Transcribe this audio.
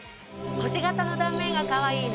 星型の断面がかわいい